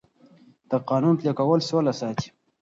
د قانون پلي کول سوله ساتي